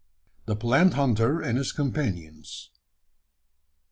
THE PLANT HUNTER AND HIS COMPANIONS.